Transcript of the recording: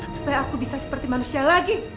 supaya aku bisa seperti manusia lagi